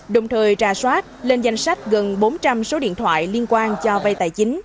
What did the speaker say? đồng thời ra soát lên danh sách gần bốn trăm linh số điện thoại liên quan cho vay tài chính